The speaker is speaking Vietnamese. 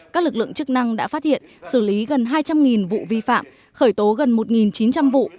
các lực lượng chức năng đã phát hiện xử lý gần hai trăm linh vụ vi phạm khởi tố gần một chín trăm linh vụ